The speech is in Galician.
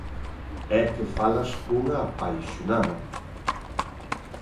E que falas cunha apaixonada.